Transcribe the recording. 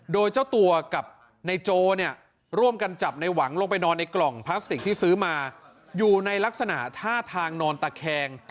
โดยเจ้าตัวกับนายโจเนี่ยร่วมกันจับในหวังลงไปนอนในกล่องพลาสติกที่ซื้อมาอยู่ในลักษณะท่าทางนอนตะแคง